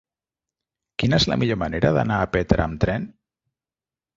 Quina és la millor manera d'anar a Petra amb tren?